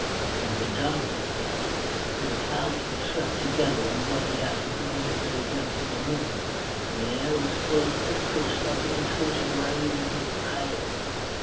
He was in darkness now, for the clouds had swept together and blotted out his momentary glimpse of the moon, and the air was full of fitful struggling tortured wraiths of hail.